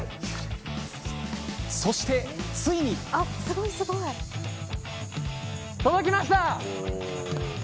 そして、ついに。届きました。